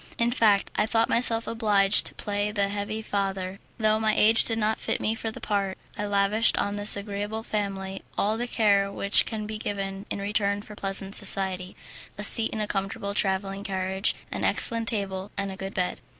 In fact I thought myself obliged to play the heavy father, though my age did not fit me for the part, and I lavished on this agreeable family all the care which can be given in return for pleasant society, a seat in a comfortable travelling carriage, an excellent table, and a good bed.